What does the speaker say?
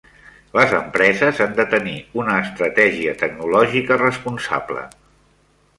Les empreses han de tenir una estratègia tecnològica responsable.